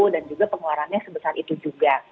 dan juga pengeluarannya sebesar itu juga